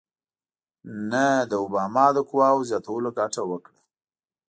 نه د اوباما د قواوو زیاتولو ګټه وکړه.